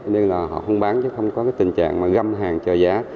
nên là họ không bán chứ không có cái tình trạng mà găm hàng chờ giá